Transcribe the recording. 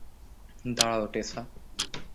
দাঁড়াও, টেসা।